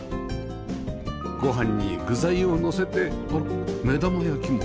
ご飯に具材をのせておっ目玉焼きも